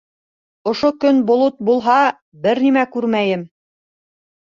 - Ошо көн болот булһа, бер нәмә күрмәйем.